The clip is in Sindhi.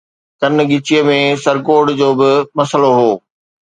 ڪن ڳچيءَ ۾ سرڪوڊ جو به مسئلو هو.